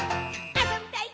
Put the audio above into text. あそびたい！」